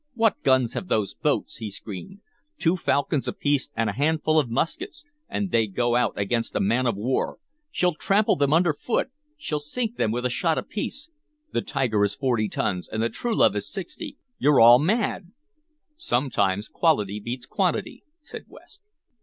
"What guns have those boats?" he screamed. "Two falcons apiece and a handful of muskets, and they go out against a man of war! She'll trample them underfoot! She'll sink them with a shot apiece! The Tiger is forty tons, and the Truelove is sixty. You 're all mad!" "Sometimes quality beats quantity," said West.